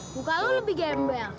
muka lo lebih gembel